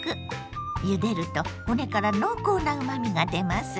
ゆでると骨から濃厚なうまみが出ます。